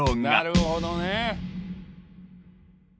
なるほどね。